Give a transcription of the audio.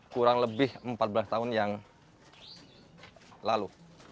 kurang lebih empat belas tahun yang lalu